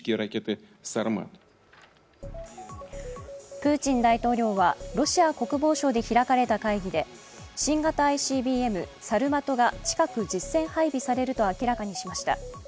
プーチン大統領はロシア国防省で開かれた会議で新型ＩＣＢＭサルマトが近く実戦配備されると明らかにしました。